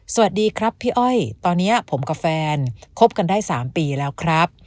สวัสดีครับพี่อ้อยตอนนี้ผมกับแฟนคบกันได้๓ปีแล้วครับ